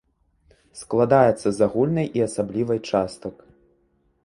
Складаецца з агульнай і асаблівай частак.